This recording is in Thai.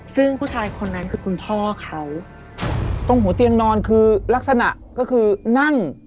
ซึ่งผู้ชายคนนั้นคือคุณพ่อเขาตรงหัวเตียงนอนคือลักษณะก็คือนั่ง